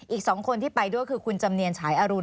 อีก๒คนที่ไปด้วยคือคุณจำเนียนฉายอรุณ